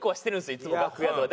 いつも楽屋とかで。